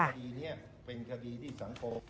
ให้คตินี้เป็นคดีที่สำคม